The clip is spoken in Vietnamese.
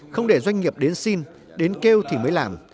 không để doanh nghiệp đến xin đến kêu thì mới làm